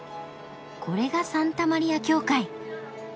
これがサンタマリア教会。